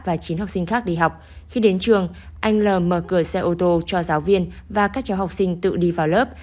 và chín học sinh khác đi học khi đến trường anh l mở cửa xe ô tô cho giáo viên và các cháu học sinh tự đi vào lớp